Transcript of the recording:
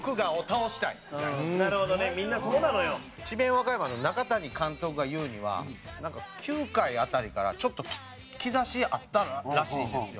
和歌山の中谷監督が言うにはなんか９回辺りからちょっと兆しあったらしいんですよ。